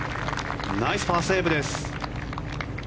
ナイスパーセーブです。